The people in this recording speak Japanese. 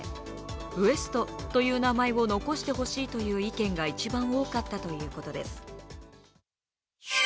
「ＷＥＳＴ」という名前を残してほしいという意見が一番多かったということです。